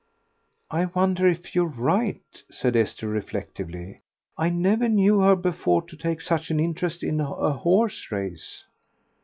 "I wonder if you're right," said Esther, reflectively. "I never knew her before to take such an interest in a horse race."